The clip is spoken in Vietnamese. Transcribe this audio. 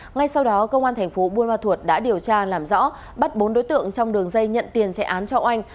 ngay sau đó công an thành phố buôn ma thuột đã điều tra làm rõ bắt bốn đối tượng trong đường dây nhận tiền chạy án cho oanh